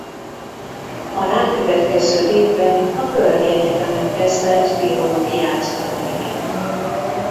A rákövetkező évben a Kölni Egyetemen kezdett biológiát tanulni.